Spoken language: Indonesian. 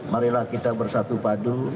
marilah kita bersatu padu